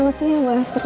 terima kasih bu astri